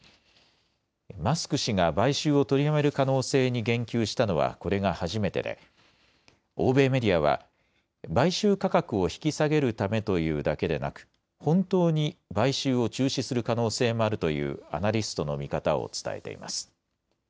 マスク氏が買収を取りやめる可能性に言及したのはこれが初めてで欧米メディアは買収価格を引き下げるためというだけでなく本当に買収を中止する可能性もあるというアナリストの見方を伝えています。